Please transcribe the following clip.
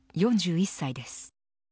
４１歳です。